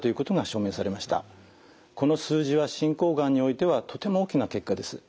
この数字は進行がんにおいてはとても大きな結果です。